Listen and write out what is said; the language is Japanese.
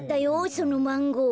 そのマンゴー。